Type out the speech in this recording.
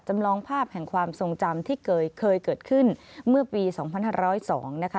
จำลองภาพแห่งความทรงจำที่เคยเกิดขึ้นเมื่อปี๒๕๐๒นะคะ